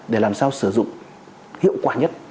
để làm sao sử dụng hiệu quả nhất